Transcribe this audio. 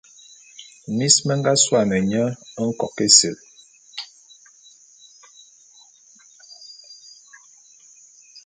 Mis me nga suane nye Nkok-Esil.